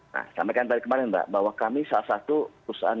nah sampaikan tadi kemarin mbak bahwa kami salah satu perusahaan